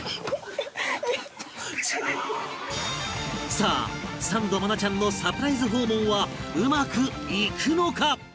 さあサンド愛菜ちゃんのサプライズ訪問はうまくいくのか！？